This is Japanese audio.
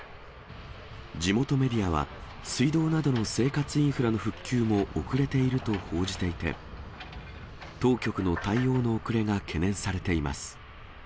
地元メディアは、水道などの生活インフラの復旧も遅れていると報じていて、当局の対応の遅れが懸念されています。